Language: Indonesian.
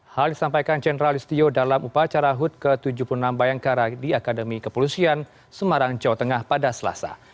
hal disampaikan jenderal listio dalam upacara hud ke tujuh puluh enam bayangkara di akademi kepolisian semarang jawa tengah pada selasa